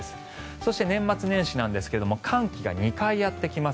そして、年末年始ですが寒気が２回やってきます。